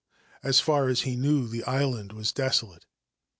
As far as he lew, the island was desolate.